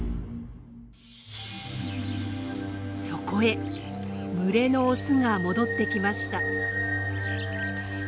そこへ群れのオスが戻ってきました。